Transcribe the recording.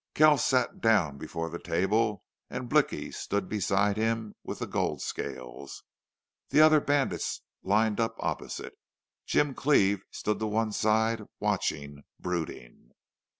Kells sat down before the table and Blicky stood beside him with the gold scales. The other bandits lined up opposite. Jim Cleve stood to one side, watching, brooding.